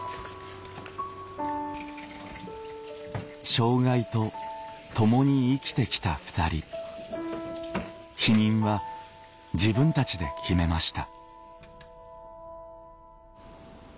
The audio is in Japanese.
障害と共に生きてきた２人避妊は自分たちで決めました